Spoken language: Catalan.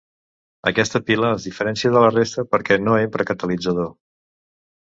Aquesta pila es diferencia de la resta perquè no empra catalitzador.